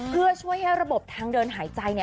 เพื่อช่วยให้ระบบทางเดินหายใจ